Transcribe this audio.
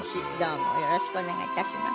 よろしくお願いします。